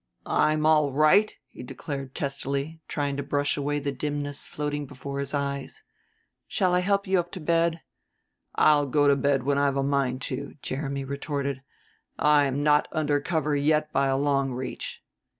"I'm all right," he declared testily, trying to brush away the dimness floating before his eyes. "Shall I help you up to bed?" "I'll go to bed when I've a mind to," Jeremy retorted. "I am not under cover yet by a long reach."